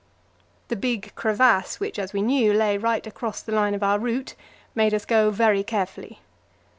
The big crevasse, which, as we knew, lay right across the line of our route, made us go very carefully.